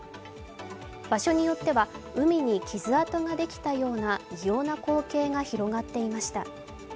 場所によっては海に傷跡ができたような異様な光景が広がっていました。